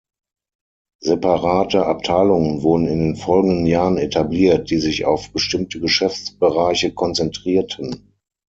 Separate Abteilungen wurden in den folgenden Jahren etabliert, die sich auf bestimmte Geschäftsbereiche konzentrierten.